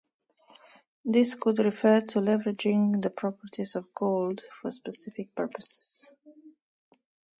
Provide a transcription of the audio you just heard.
This could refer to leveraging the properties of gold for specific purposes.